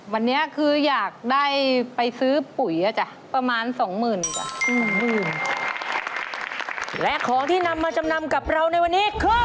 วันนี้อยากได้ไปซื้อปุ๋ยประมาณสองหมื่น